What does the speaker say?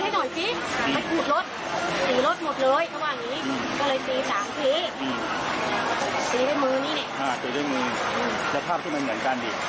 และเสียใจมาก